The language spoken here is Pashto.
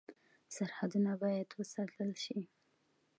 سرحدونه باید وساتل شي